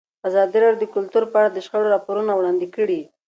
ازادي راډیو د کلتور په اړه د شخړو راپورونه وړاندې کړي.